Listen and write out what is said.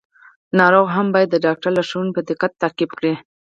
ناروغ هم باید د ډاکټر لارښوونې په دقت تعقیب کړي.